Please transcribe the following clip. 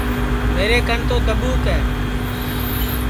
میرے کن تو دھٻوک ہے